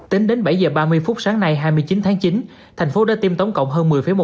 tính đến bảy h ba mươi phút sáng nay hai mươi chín tháng chín thành phố đã tiêm tổng cộng hơn một mươi một